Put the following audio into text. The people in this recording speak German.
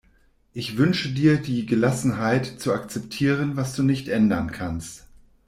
Ich wünsche dir die Gelassenheit, zu akzeptieren, was du nicht ändern kannst.